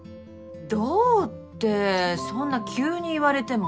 どおってそんな急に言われても。